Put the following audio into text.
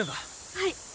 はい。